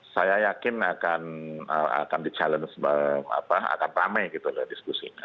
saya yakin akan di challenge akan rame gitu loh diskusinya